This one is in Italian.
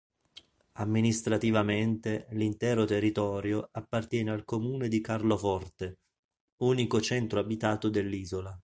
Amministrativamente l'intero territorio appartiene al comune di Carloforte, unico centro abitato dell'isola.